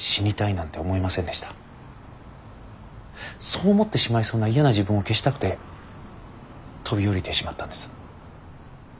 そう思ってしまいそうな嫌な自分を消したくて飛び降りてしまったんです。